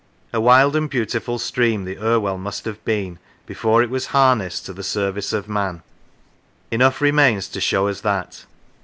A wild and beautiful stream the Irwell must have been, before it was harnessed to the service of man; enough remains to show us that.